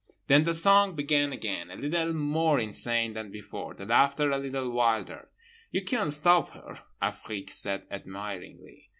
Then the song began again, a little more insane than before; the laughter a little wilder…. "You can't stop her," Afrique said admiringly.